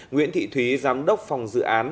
nguyễn thị thúy giám đốc phòng dự án